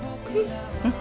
うん。